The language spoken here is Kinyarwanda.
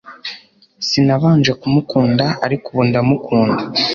Sinabanje kumukunda, ariko ubu ndamukunda.